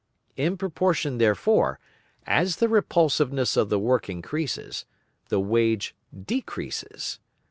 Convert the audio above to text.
In proportion therefore, as the repulsiveness of the work increases, the wage decreases.